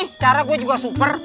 secara gua juga super